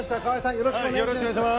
よろしくお願いします。